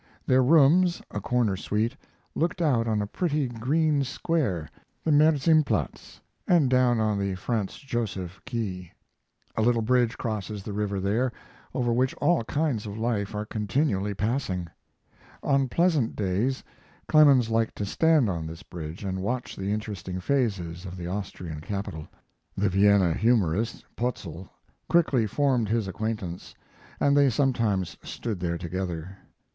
Their rooms, a corner suite, looked out on a pretty green square, the Merzimplatz, and down on the Franz Josef quay. A little bridge crosses the river there, over which all kinds of life are continually passing. On pleasant days Clemens liked to stand on this bridge and watch the interesting phases of the Austrian capital. The Vienna humorist, Poetzl, quickly formed his acquaintance, and they sometimes stood there together.